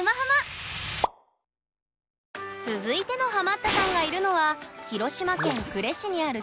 続いてのハマったさんがいるのは広島県呉市にある中学校のドローン部。